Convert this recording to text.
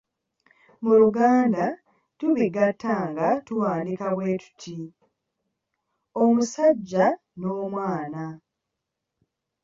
Mu Luganda tubigatta nga tuwandiika bwe tuti: omusajja n’omwana.